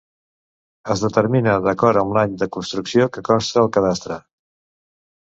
Es determina d'acord amb l'any de construcció que consta al cadastre.